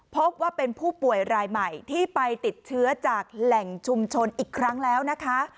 พบว่าเป็นผู้ป่วยรายใหม่ที่ไปติดเชื้อจากแหล่งชุมชนอีกครั้งแล้วนะคะ